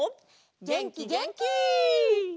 げんきげんき！